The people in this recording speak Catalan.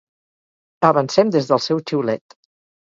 Avancem des del seu xiulet.